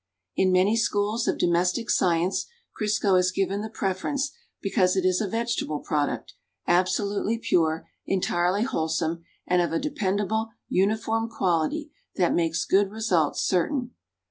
In many Schools of Domestic Science Crisco is given the preference because it is a vegetable product, absolutely pure, entirely wholesome and of a dependable, uniform quality that makes good results certain.